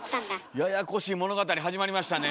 ややこしい物語始まりましたね。